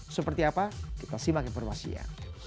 seperti apa kita simak informasinya